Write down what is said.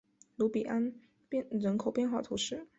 卢比安人口变化图示